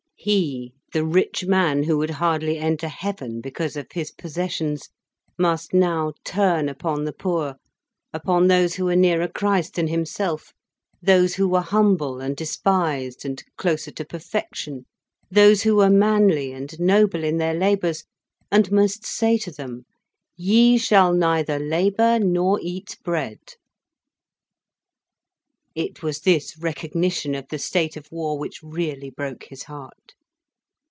He, the rich man who would hardly enter heaven because of his possessions, must now turn upon the poor, upon those who were nearer Christ than himself, those who were humble and despised and closer to perfection, those who were manly and noble in their labours, and must say to them: "Ye shall neither labour nor eat bread." It was this recognition of the state of war which really broke his heart.